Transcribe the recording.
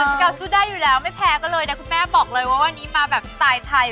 สกาวสู้ได้อยู่แล้วไม่แพ้กันเลยนะคุณแม่บอกเลยว่าวันนี้มาแบบสไตล์ไทย